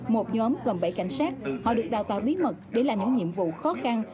một nhóm gồm bảy cảnh sát họ được đào tạo bí mật để là những nhiệm vụ khó khăn